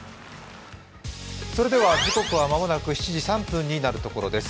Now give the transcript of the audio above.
それでは時刻は間もなく７時３分になるところです。